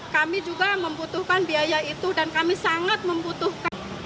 kami juga membutuhkan biaya itu dan kami sangat membutuhkan